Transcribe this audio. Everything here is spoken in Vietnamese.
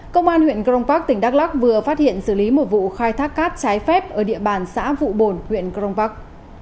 công an huyện grongpak tỉnh đắk lắc vừa phát hiện xử lý một vụ khai thác cát trái phép ở địa bàn xã vụ bồn huyện grongpak